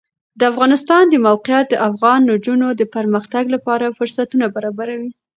د افغانستان د موقعیت د افغان نجونو د پرمختګ لپاره فرصتونه برابروي.